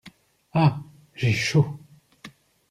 Ah ! j’ai chaud !